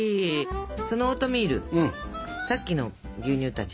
そのオートミールさっきの牛乳たち。